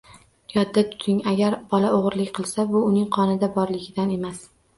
Yodda tuting, agar bola o‘g‘rilik qilsa, bu uning qonida borligidan emas